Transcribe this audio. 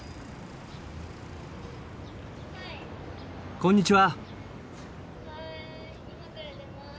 こんにちは。